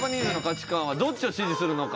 どっちを支持するのか。